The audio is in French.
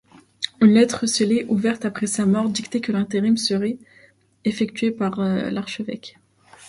Une lettre scellée ouverte après sa mort dictait que l'intérim serait effectué par l'archevêque.